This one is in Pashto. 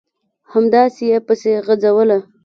همداسې یې پسې غځوله ...